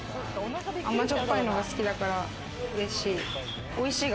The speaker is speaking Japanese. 甘じょっぱいのが好きだから嬉しい。